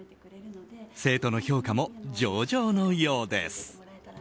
生徒の評価も上々のようです。